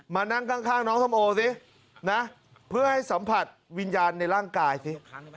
มานั่งข้างน้องส้มโอสินะเพื่อให้สัมผัสวิญญาณในร่างกายสิ